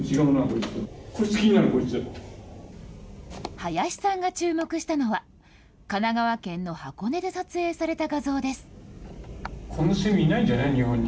林さんが注目したのは、神奈川県の箱根で撮影された画像です。